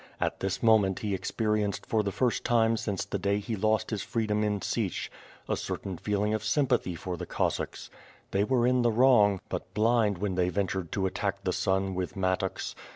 At this moment he experienced for the firs't time since the day he lost his freedom in Sich, a certain feeling of sympathy for the Cossacks: They were in the wrong, but blind when they ventured to attack the sun with mattocks.